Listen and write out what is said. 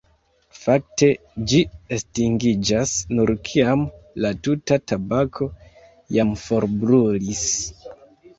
Fakte, ĝi estingiĝas nur kiam la tuta tabako jam forbrulis.